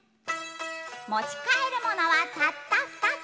持ち帰る物はたった２つ。